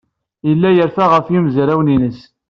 Yella yerfa ɣef yimezrawen-is.